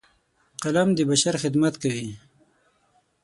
قلم د بشر خدمت کوي